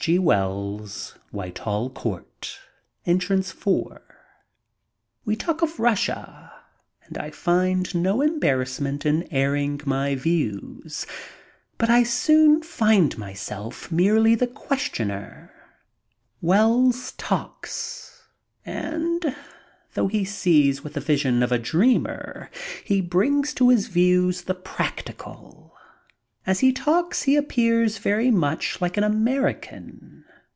G. Wells. Whitehall Court, Entrance 4. We talk of Russia and I find no embarrassment in airing my views, but I soon find myself merely the questioner. Wells talks ; and, though he sees with the vision of a dreamer, he brings to his views the practical. As he talks he appears very much like an American.